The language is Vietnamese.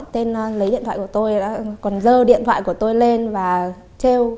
tên lấy điện thoại của tôi còn dơ điện thoại của tôi lên và trêu